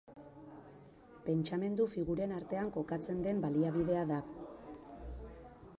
Pentsamendu figuren artean kokatzen den baliabidea da.